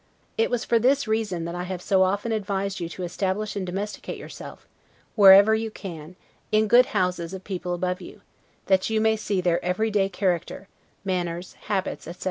It was for this reason that I have so often advised you to establish and domesticate yourself, wherever you can, in good houses of people above you, that you may see their EVERY DAY character, manners, habits, etc.